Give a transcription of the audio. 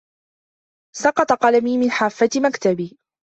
سقط قلمي من حافة مكتبي.